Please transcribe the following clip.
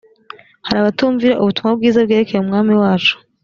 hari abatumvira ubutumwa bwiza bwerekeye umwami wacu